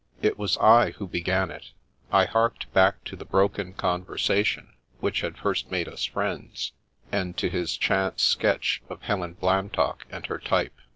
It was I who began it. I harked back to the broken conversation which had first made us friends, and to his chance sketch of Helen Blantock and her type.